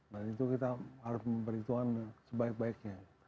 itu kita harus memperhitungkan sebaik baiknya